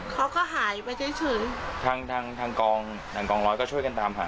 เขาก็หายไปเฉยเฉยทางทางทางกองทางกองร้อยก็ช่วยกันตามหา